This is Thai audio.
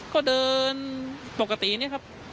ก็เดินปกตินะครับ